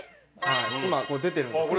今出てるんですけど。